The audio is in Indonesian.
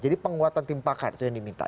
jadi penguatan tim pakar itu yang diminta